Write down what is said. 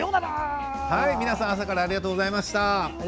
皆さん朝からありがとうございました。